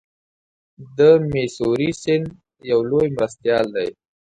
د میسوری سیند یو لوی مرستیال دی.